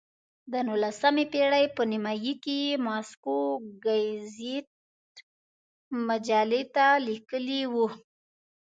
د نولسمې پېړۍ په نیمایي کې یې ماسکو ګزیت مجلې ته لیکلي وو.